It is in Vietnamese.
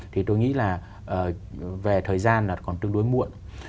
thì tôi nghĩ là về thời gian là còn tương đối muộn